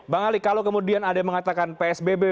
bang ali kalau kemudian ada yang mengatakan psbb